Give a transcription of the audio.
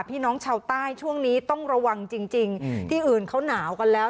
พี่น้องชาวใต้ช่วงนี้ต้องระวังจริงจริงที่อื่นเขาหนาวกันแล้ว